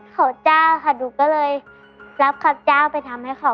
เขาเจ้าค่ะหนูก็เลยรับข้าเจ้าไปทำให้เขา